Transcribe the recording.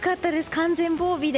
完全防備で。